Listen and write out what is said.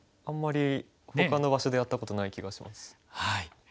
あんまりほかの場所でやったことない気がします。